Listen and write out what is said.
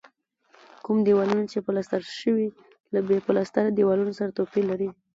کوم دېوالونه چې پلستر شوي له بې پلستره دیوالونو سره توپیر لري.